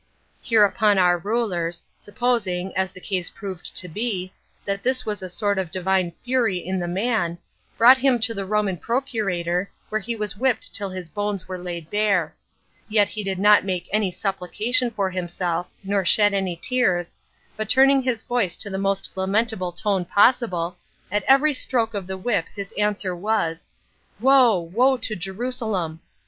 Hereupon our rulers, supposing, as the case proved to be, that this was a sort of divine fury in the man, brought him to the Roman procurator, where he was whipped till his bones were laid bare; yet he did not make any supplication for himself, nor shed any tears, but turning his voice to the most lamentable tone possible, at every stroke of the whip his answer was, "Woe, woe to Jerusalem!"